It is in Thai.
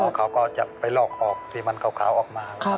หมอเขาก็จะไปลอกออกที่มันคาวออกมาแล้วครับ